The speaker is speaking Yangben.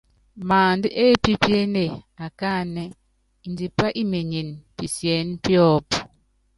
Maándá épípíéné akáánɛ́, índipá imenyene pisiɛ́nɛ píɔ́pú.